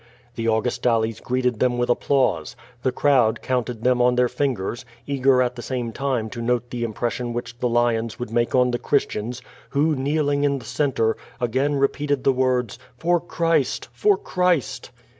The Augustales greeted them with applause. The crowd counted them on their fingers, eager at the same time to note the impression which the lions would make on the Christians, who, kneeling in the centre, again repeated the words "For Christ! For Christ!"